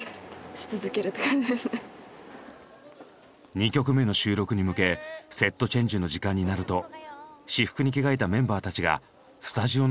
２曲目の収録に向けセットチェンジの時間になると私服に着替えたメンバーたちがスタジオの外に出た。